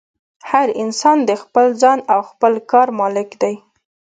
هر انسان د خپل ځان او خپل کار مالک دی.